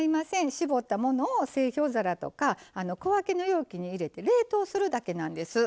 搾ったものを製氷皿とか小分けの容器に入れて冷凍するだけなんです。